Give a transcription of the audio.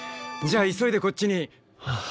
じゃあ急いでこっちに。